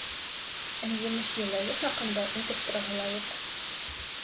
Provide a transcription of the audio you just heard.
Ә емеш-еләге хаҡында әйтеп тораһы ла юҡ.